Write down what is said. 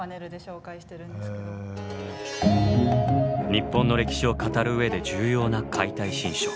日本の歴史を語る上で重要な「解体新書」。